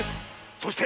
そして！